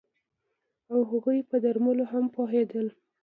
او هغوی په درملو هم پوهیدل